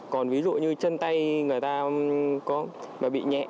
còn ví dụ như chân tay người ta có mà bị nhẹ